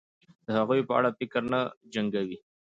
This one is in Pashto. د هغوی په اړه فکر نه جنګوي